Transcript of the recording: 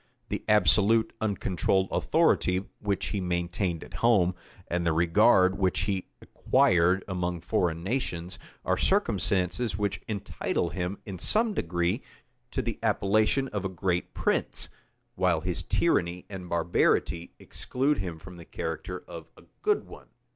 The absolute, uncontrolled authority which he maintained at home, and the regard which he acquired among foreign nations, are circumstances which entitle him, in some degree, to the appellation of a great prince; while his tyranny and barbarity exclude him from the character of a good one.